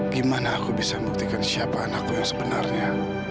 gimana aku bisa membuktikan siapa anakku yang sebenarnya